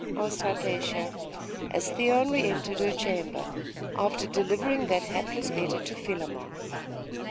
asked Hypatia, as Theon re entered her chamber, after delivering that hapless letter to Philammon.